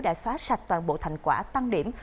đã xóa sạch toàn bộ thành quả tăng điểm